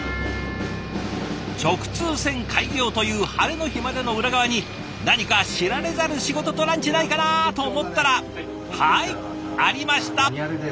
直通線開業という晴れの日までの裏側に何か知られざる仕事とランチないかなと思ったらはいありました。